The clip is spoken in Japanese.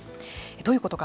どういうことか。